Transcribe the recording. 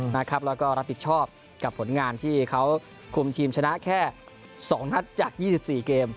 แล้วก็รับผิดชอบกับผลงานที่เขาคุมทีมชนะแค่๒นัดจาก๒๔เกม